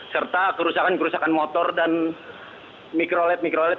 serta kerusakan kerusakan motor dan mikrolet mikrolet